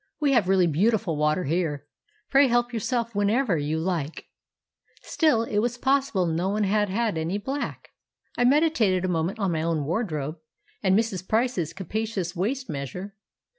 We have really beautiful water here. Pray help yourself when_ever_ you like." Still, it was possible no one had had any black. I meditated a moment on my own wardrobe and Mrs. Price's capacious waist measure!